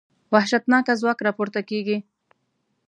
وحشتناکه ځواک راپورته کېږي.